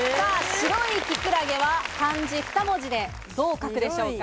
白いキクラゲは漢字２文字でどう書くでしょうか？